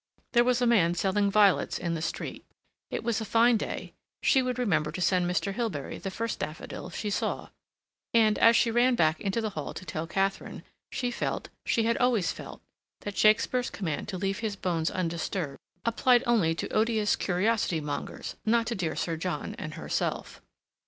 There was a man selling violets in the street. It was a fine day. She would remember to send Mr. Hilbery the first daffodil she saw. And, as she ran back into the hall to tell Katharine, she felt, she had always felt, that Shakespeare's command to leave his bones undisturbed applied only to odious curiosity mongers—not to dear Sir John and herself.